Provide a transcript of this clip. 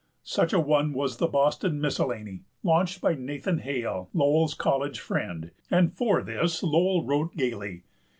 Such a one was the Boston Miscellany, launched by Nathan Hale, Lowell's college friend, and for this Lowell wrote gaily.